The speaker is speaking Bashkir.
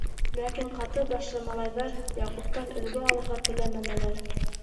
Ләкин ҡаты башлы малайҙар Яҡуптан өлгө алырға теләмәнеләр.